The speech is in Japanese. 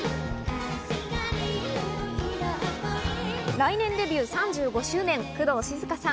来年デビュー３５周年、工藤静香さん。